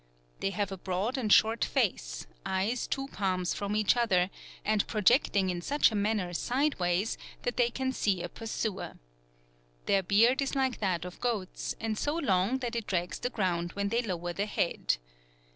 "They have a broad and short face, eyes two palms from each other, and projecting in such a manner sideways that they can see a pursuer. Their beard is like that of goats, and so long that it drags the ground when they lower the head.